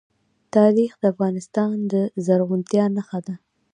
تاریخ د افغانستان د زرغونتیا نښه ده.